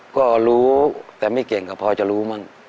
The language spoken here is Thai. ก็รู้แต่ไม่เก่งก็พอจะรู้มั้ง